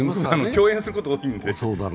共演することが多いので。